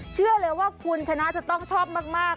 เชื่อเลยว่าคุณชนะจะต้องชอบมาก